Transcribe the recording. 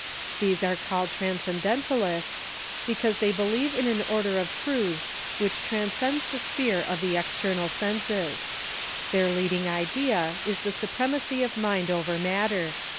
These are called Transcendentalists, be cause they believe in an order of truths which transcends the sphere of the external senses. Their leading idea is the supremacy of mind over matter.